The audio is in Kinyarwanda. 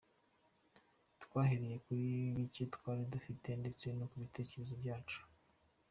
Twahereye kuri bike twari dufite ndetse no ku bitekerezo byacu.